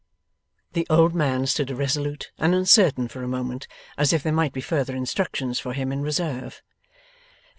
The old man stood irresolute and uncertain for a moment, as if there might be further instructions for him in reserve.